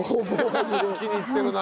気に入ってるなあ。